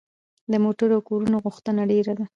د موټرو او کورونو غوښتنه ډیره ده.